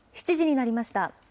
７時になりました。